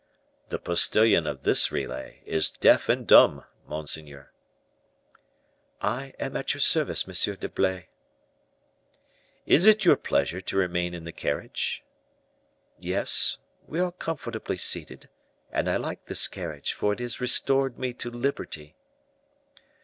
"The postilion of this relay is deaf and dumb, monseigneur." "I am at your service, M. d'Herblay." "Is it your pleasure to remain in the carriage?" "Yes; we are comfortably seated, and I like this carriage, for it has restored me to liberty."